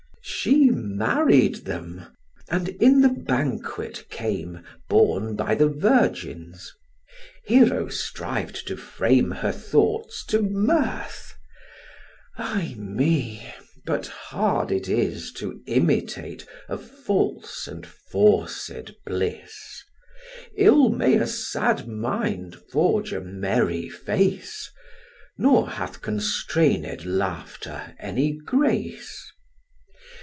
She married them; and in the banquet came, Borne by the virgins. Hero striv'd to frame Her thoughts to mirth: ay me! but hard it is To imitate a false and forced bliss; Ill may a sad mind forge a merry face, Nor hath constrained laughter any grace.